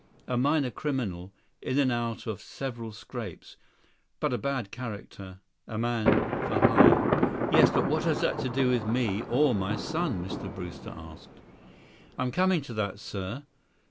A minor criminal, in and out of several scrapes, but a bad character. A man for hire." "Yes. But what has that to do with me, or my son?" Mr. Brewster asked. 63 "I'm coming to that, sir.